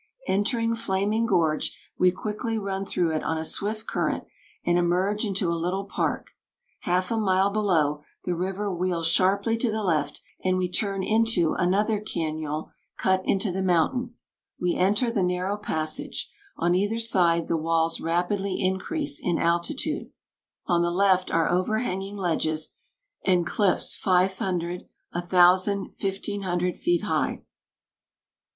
"Entering Flaming Gorge, we quickly run through it on a swift current, and emerge into a little park. Half a mile below, the river wheels sharply to the left, and we turn into another cañon cut into the mountain. We enter the narrow passage. On either side the walls rapidly increase in altitude. On the left are overhanging ledges and cliffs five hundred, a thousand, fifteen hundred feet high.